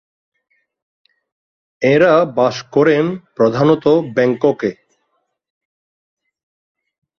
এঁরা বাস করেন প্রধানত ব্যাংককে।